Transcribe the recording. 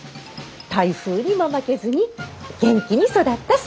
台風にも負けずに元気に育ったさ。